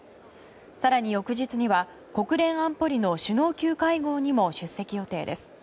更に翌日には国連安保理の首脳級会合にも出席予定です。